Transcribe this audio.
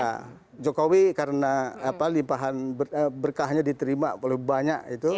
ya jokowi karena limpahan berkahnya diterima oleh banyak itu